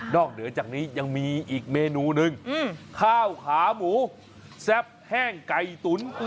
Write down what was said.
เหนือจากนี้ยังมีอีกเมนูหนึ่งข้าวขาหมูแซ่บแห้งไก่ตุ๋น